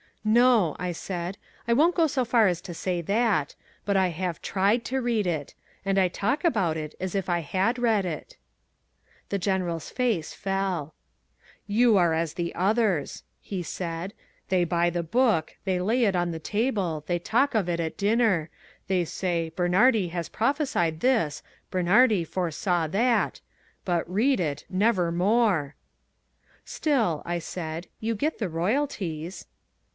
"No," I said, "I won't go so far as to say that. But I have TRIED to read it. And I talk about it as if I had read it." The General's face fell. "You are as the others," he said, "They buy the book, they lay it on the table, they talk of it at dinner, they say 'Bernhardi has prophesied this, Bernhardi foresaw that,' but read it, nevermore." "Still," I said, "you get the royalties."